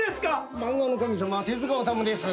漫画の神様手塚治虫です。